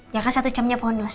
ya kan satu jamnya pondok